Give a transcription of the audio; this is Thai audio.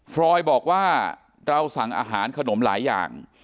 ฟรอยบอกว่าเราสั่งอาหารขนมหลายอย่าง